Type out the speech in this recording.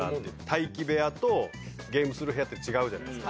待機部屋とゲームする部屋って違うじゃないですか。